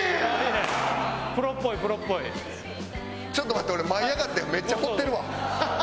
ちょっと待って俺舞い上がってめっちゃ放ってるわ。